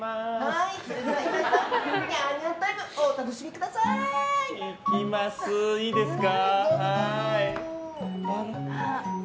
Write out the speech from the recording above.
いいですか！